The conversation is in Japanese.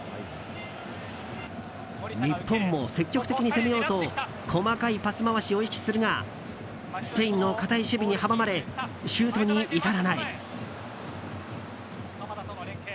日本も積極的に攻めようと細かいパス回しを意識するがスペインの堅い守備に阻まれシュートに至らない。